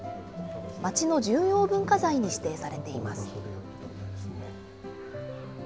町の重要文化財に指定されています。